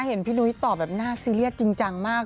เห็นพี่นุ้ยตอบแบบน่าซีเรียสจริงจังมาก